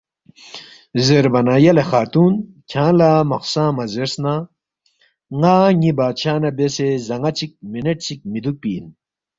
زیربا نہ، ”یلے خاتون کھیانگ لہ مہ خسنگما زیرس نہ ن٘ا ن٘ی بادشاہ نہ بیسے زان٘ا چِک منٹ چِک مِہ دوکپی اِن